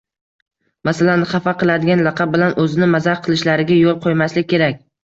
Masalan, xafa qiladigan laqab bilan o‘zini mazax qilishlariga yo‘l qo‘ymaslik kerak.